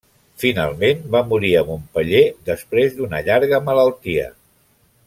Finalment, va morir a Montpeller després d'una llarga malaltia.